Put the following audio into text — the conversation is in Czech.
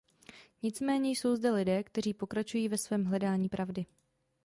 Nicméně jsou zde lidé, kteří pokračují ve svém hledání pravdy.